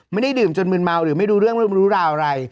ไม่ได้ดื่มจนมืนเมาหรือไม่รู้เรื่องรู้ราวอะไร